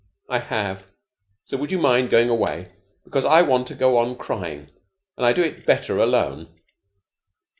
"I have. So would you mind going away, because I want to go on crying, and I do it better alone.